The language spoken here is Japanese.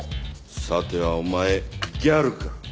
さてはお前ギャルか？